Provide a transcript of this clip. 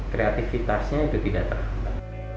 kreatifitasnya itu tidak terlambat